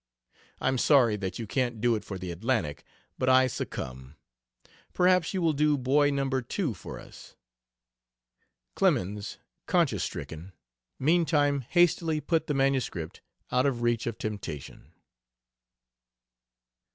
I'm sorry that you can't do it for the Atlantic, but I succumb. Perhaps you will do Boy No. 2 for us." Clemens, conscience stricken, meantime, hastily put the MS. out of reach of temptation.